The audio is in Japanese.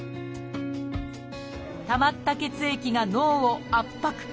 たまった血液が脳を圧迫。